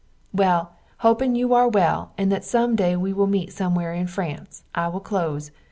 Well, hoping you are well and that some day we will meet somewhere in France, I will close.